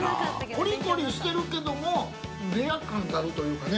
コリコリしてるけどもレア感があるというかね。